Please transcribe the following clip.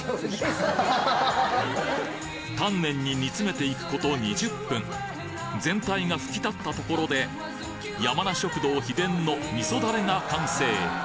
丹念に煮詰めていくこと２０分全体が吹き立ったところでやまな食堂秘伝の味噌ダレが完成！